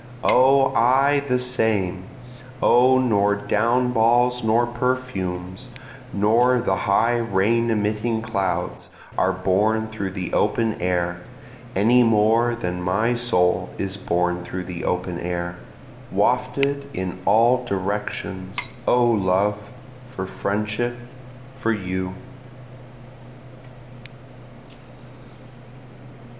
O I the same, O nor down balls nor perfumes, nor the high rain emitting clouds, are borne through the open air, Any more than my soul is borne through the open air, Wafted in all directions O love, for friendship, for you.